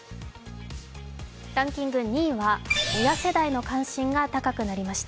ランキング２位は親世代の関心が高くなりました。